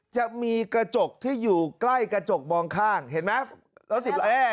จะมีกระจกที่อยู่ใกล้กระจกมองข้างเห็นไหมรถสิบล้อ